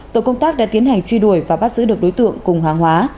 tổ công tác đã tiến hành truy đuổi và bắt giữ được đối tượng cùng hàng hóa